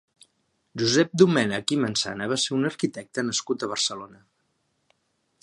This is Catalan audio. Josep Domènech i Mansana va ser un arquitecte nascut a Barcelona.